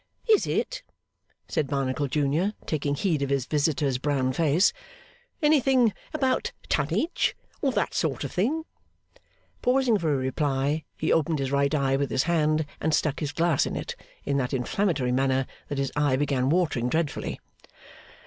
'Is it,' said Barnacle junior, taking heed of his visitor's brown face, 'anything about Tonnage or that sort of thing?' (Pausing for a reply, he opened his right eye with his hand, and stuck his glass in it, in that inflammatory manner that his eye began watering dreadfully.)